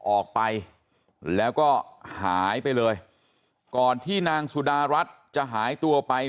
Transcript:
ออกไปแล้วก็หายไปเลยก่อนที่นางสุดารัฐจะหายตัวไป